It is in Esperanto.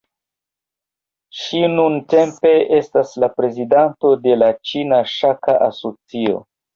Ŝi nuntempe estas la prezidanto de la Ĉina Ŝaka Asocio.